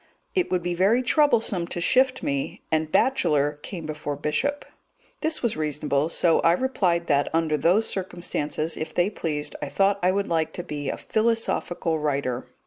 It would be very troublesome to shift me, and bachelor came before bishop. This was reasonable, so I replied that, under those circumstances, if they pleased, I thought I would like to be a philosophical writer.